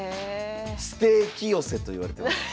ステーキ寄せといわれてます。